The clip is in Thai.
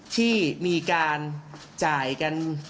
ที่มีการจ่ายกัน